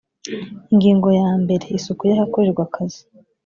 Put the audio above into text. ingingo ya mbere isuku y ahakorerwa akazi